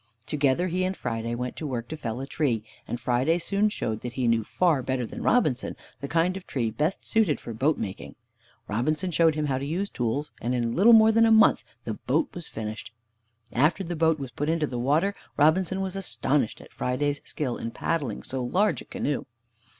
Together he and Friday went to work to fell a tree, and Friday soon showed that he knew far better than Robinson the kind of tree best suited for boat making. Robinson showed him how to use tools, and in a little more than a month the boat was finished. After the boat was put into the water, Robinson was astonished at Friday's skill in paddling so large a canoe.